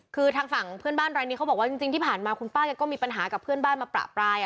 คือทางฝั่งเพื่อนบ้านรายนี้เขาบอกว่าจริงที่ผ่านมาคุณป้าแกก็มีปัญหากับเพื่อนบ้านมาประปราย